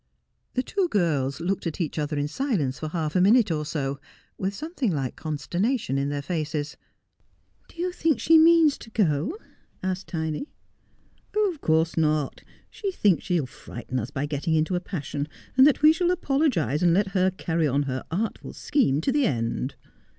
The two girls looked at each other in silence for half a minute or so, with something like consternation in their faces. ' Do you think she means to go ?' asked Tiny. 'Of course not. She thinks she will frighten us by getting into a passion, and that we shall apiologize and let her carry on her artful scheme to the end.'